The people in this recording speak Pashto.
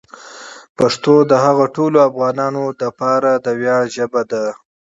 پښتو د هغو ټولو افغانانو لپاره د ویاړ ژبه ده.